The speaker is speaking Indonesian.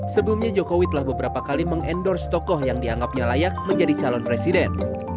sebelumnya jokowi telah beberapa kali mengendorse tokoh yang dianggapnya layak menjadi calon presiden